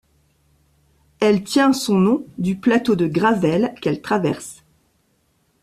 Elle tient son nom du plateau de Gravelle qu'elle traverse.